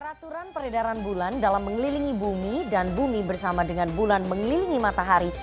peraturan peredaran bulan dalam mengelilingi bumi dan bumi bersama dengan bulan mengelilingi matahari